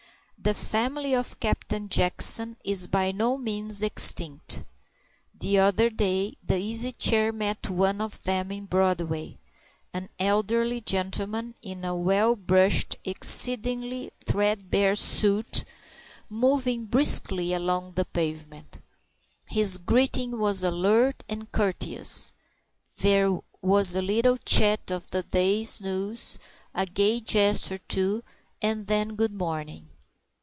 The family of Captain Jackson is by no means extinct. The other day the Easy Chair met one of them in Broadway an elderly gentleman in a well brushed, exceedingly threadbare suit, moving briskly along the pavement. His greeting was alert and courteous. There was a little chat of the day's news, a gay jest or two, and then good morning.